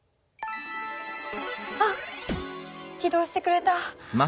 あっ起動してくれた。